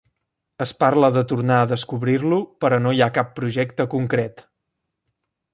Es parla de tornar a descobrir-lo, però no hi ha cap projecte concret.